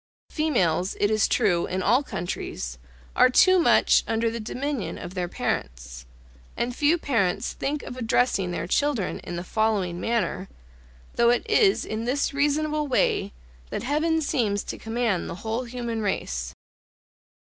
Females, it is true, in all countries, are too much under the dominion of their parents; and few parents think of addressing their children in the following manner, though it is in this reasonable way that Heaven seems to command the whole human race.